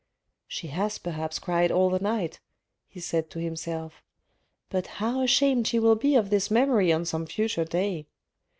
..." She has perhaps cried all the night," he said to himself, " but how ashamed she will be of this memory on some future day